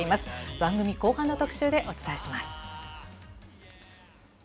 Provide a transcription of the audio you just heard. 番組後半の特集でお伝えします。